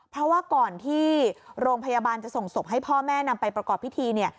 เพราะว่าก่อนที่โรงพยาบาลจะส่งศพให้พ่อแม่นำไปประกอบพิธีเนี่ย